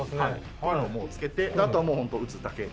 こういうのをつけてあとはもうホント打つだけ。